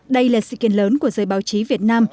đây là sự kiện lớn của giới báo chí việt nam